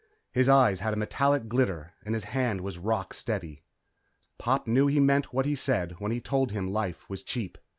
His eyes had a metallic glitter and his hand was rock steady. Pop knew he meant what he said when he told him life was cheap.